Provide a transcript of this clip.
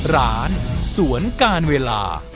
ร้านสวนการเวลา